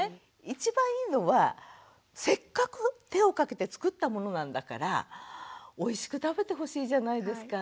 一番いいのはせっかく手をかけて作ったものなんだからおいしく食べてほしいじゃないですか。